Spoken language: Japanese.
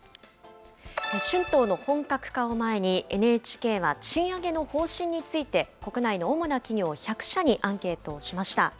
春闘の本格化を前に、ＮＨＫは賃上げの方針について、国内の主な企業１００社にアンケートしました。